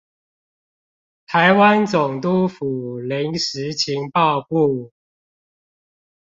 臺灣總督府臨時情報部